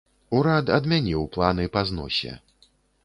Урад адмяніў планы па зносе.